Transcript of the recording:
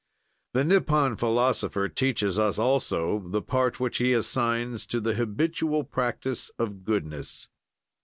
The Nippon philosopher teaches us also the part which he assigns to the habitual practise of goodness.